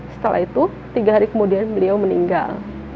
setelah itu tiga hari kemudian beliau meninggal